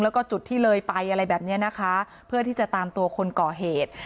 แล้วก็จุดที่เลยไปอะไรแบบนี้นะคะเพื่อที่จะตามตัวคนก่อเหตุ